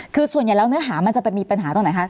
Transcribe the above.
คือส่วนใหญ่แล้วเนื้อหามันจะไปมีปัญหาตรงไหนคะ